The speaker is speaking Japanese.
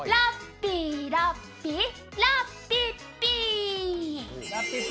ラッピー、ラッピー、ラッピッピー。